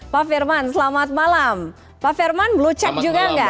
pak firman selamat malam pak firman belum cek juga enggak